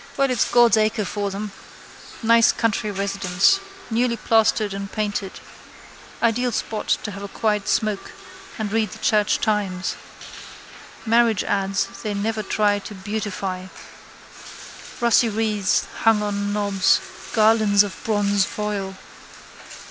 Well it's God's acre for them. Nice country residence. Newly plastered and painted. Ideal spot to have a quiet smoke and read the Church Times. Marriage ads they never try to beautify. Rusty wreaths hung on knobs, garlands of bronzefoil.